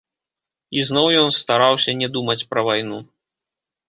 І зноў ён стараўся не думаць пра вайну.